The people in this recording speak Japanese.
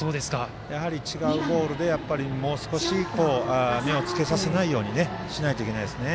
やはり違うボールでもう少し目をつけさせないようにしないといけないですね。